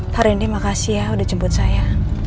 hari ini makasih ya udah jemput saya